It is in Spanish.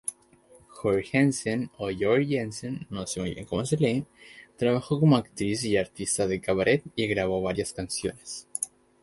Jorgensen trabajó como actriz y artista de cabaret y grabó varias canciones.